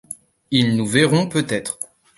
Ils nous verront peut-être.